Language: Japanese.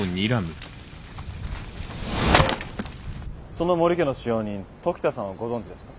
その母里家の使用人時田さんをご存じですか？